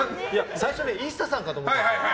最初、ＩＳＳＡさんかと思ったんです。